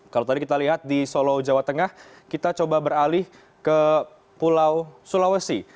kalau tadi kita lihat di solo jawa tengah kita coba beralih ke pulau sulawesi